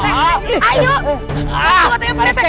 apa kabarnya pak rete